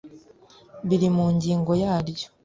biri mu ngingo yaryo .